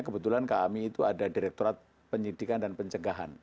kebetulan kami itu ada direkturat penyidikan dan pencegahan